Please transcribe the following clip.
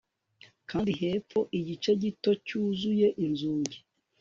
Kandi hepfo igice gito cyuzuye inzugi